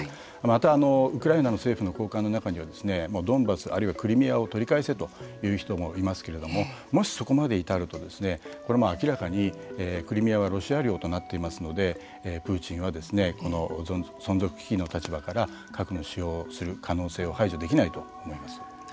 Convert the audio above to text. また、ウクライナの政府の高官の中にはドンバスあるいはクリミアを取り返せという人もいますけれどももし、そこまで至るとこれは明らかにクリミアはロシア領となっていますのでプーチンはですねこの存続危機の立場から核の使用をする可能性を排除できないと思います。